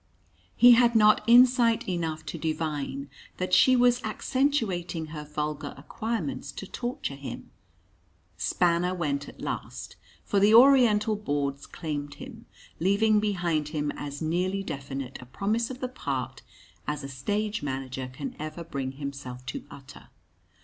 He had not insight enough to divine that she was accentuating her vulgar acquirements to torture him. Spanner went at last for the Oriental boards claimed him leaving behind him as nearly definite a promise of the part as a stage manager can ever bring himself to utter.